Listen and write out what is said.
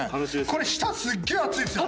これ下すっげえ熱いっすよ。